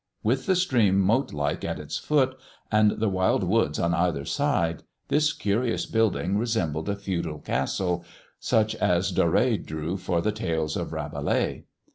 With the stream moat like at its foot, and the wild woods on either side, this curious building resembled a feudal castle, such as Dore drew for the tales of Rabelais.